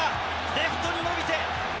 レフトに伸びて！